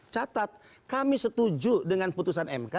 catat kami setuju dengan putusan mk